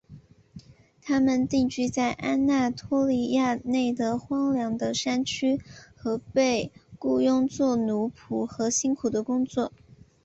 他们定居在安纳托利亚内的荒凉的山区和被雇用作奴仆和辛苦的工作。